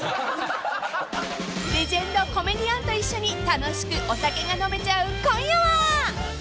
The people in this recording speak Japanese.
［レジェンドコメディアンと一緒に楽しくお酒が飲めちゃう今夜は］